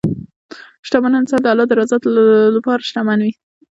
شتمن انسان د الله د رضا لپاره شتمن وي.